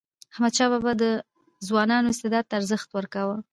احمدشاه بابا د ځوانانو استعداد ته ارزښت ورکاوه.